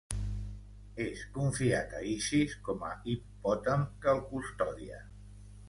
Es confiat a Isis com a hipopòtam que el custodia.